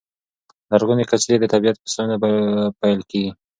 لرغونې قصیدې د طبیعت په ستاینه پیل کېږي.